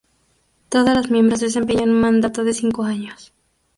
Todos los miembros desempeñan un mandato de cinco años.